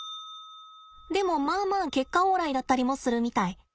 でもまあまあ結果オーライだったりもするみたい。